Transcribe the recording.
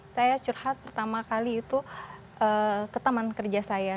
saya curhat pertama kali itu ke taman kerja saya